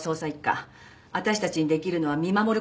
私たちに出来るのは見守る事だけです。